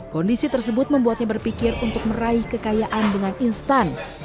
kondisi tersebut membuatnya berpikir untuk meraih kekayaan dengan instan